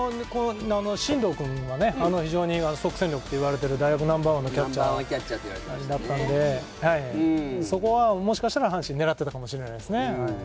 進藤君は非常に即戦力と言われている大学ナンバーワンのキャッチャーだったのでそこはもしかしたら阪神狙ってたかもしれないですね。